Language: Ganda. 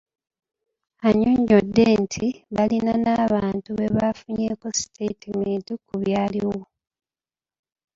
Annyonnyodde nti balina n'abantu be bafunyeeko sitaatimenti ku byaliwo.